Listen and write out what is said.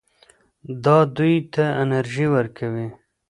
دا دوی ته انرژي ورکوي.